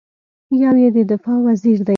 یو یې د دفاع وزیر دی.